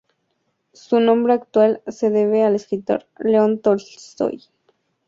Su nombre actual se debe al escritor León Tolstói.